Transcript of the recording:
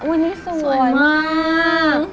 ที่นี้สวยมากสวยค่ะมันสวยมาก